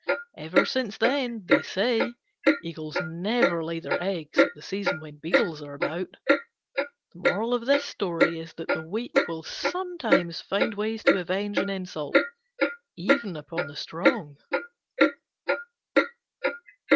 Ever since then, they say, Eagles never lay their eggs at the season when Beetles are about. The weak will sometimes find ways to avenge an insult, even upon the strong.